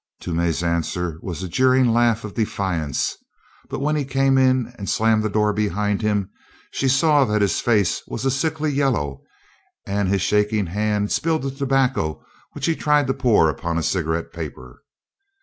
Toomey's answer was a jeering laugh of defiance, but when he came in and slammed the door behind him, she saw that his face was a sickly yellow and his shaking hand spilled the tobacco which he tried to pour upon a cigarette paper.